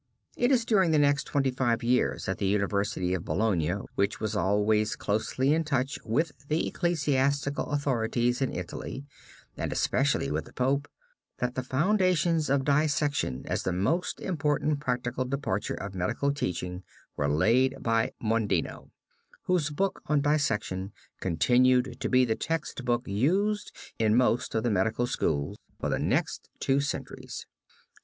It is during the next twenty five years at the University of Bologna, which was always closely in touch with the ecclesiastical authorities in Italy and especially with the Pope, that the foundations of dissection, as the most important practical department of medical teaching, were laid by Mondino, whose book on dissection continued to be the text book used in most of the medical schools for the next two centuries.